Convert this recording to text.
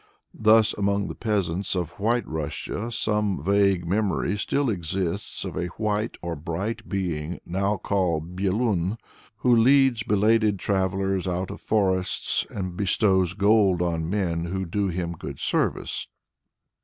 Thus, among the peasants of White Russia some vague memory still exists of a white or bright being, now called Byelun, who leads belated travellers out of forests, and bestows gold on men who do him good service.